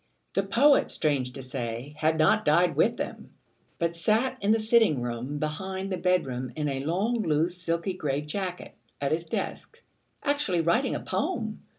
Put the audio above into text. The poet, strange to say, had not died with them, but sat in the sitting room behind the bedroom in a long loose silky grey jacket, at his desk actually writing a poem!